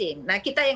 yang melakukan tracing